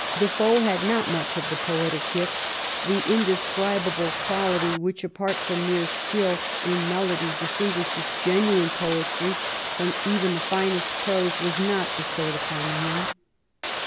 Defoe had not much of the poetic gift ; the indescribable quality which, apart from mere skill in melody, dis tinguishes genuine poetry from even the finest prose, was not bestowed upon him.